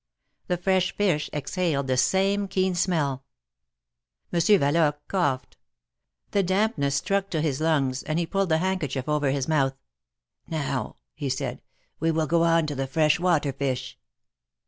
The fresh fish exhaled this same keen smell. Monsieur Valoque coughed. The dampness struck to his lungs, and he pulled the handkerchief oyer his mouth. ^^Now,^' he said, we will go on to the fresh water fish."